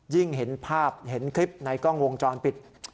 เห็นภาพเห็นคลิปในกล้องวงจรปิด